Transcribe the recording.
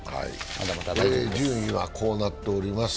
順位はこうなっております。